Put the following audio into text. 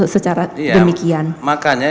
secara demikian makanya